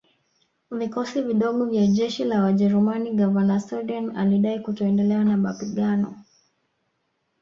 vikosi vidogo vya jeshi la wajerumani Gavana Soden alidai kutoendelea na mapigano